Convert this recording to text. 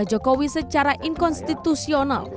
jokowi dodo ikut secara inkonstitusional